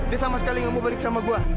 dia sama sekali gak mau balik sama gue